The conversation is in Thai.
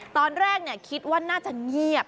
ตอนแรกคิดว่าน่าจะเงียบ